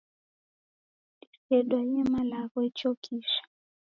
Disedwaiye malagho ichokisha.